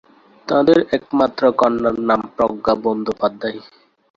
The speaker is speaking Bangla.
তাদের একমাত্র কন্যার নাম প্রজ্ঞা বন্দ্যোপাধ্যায়।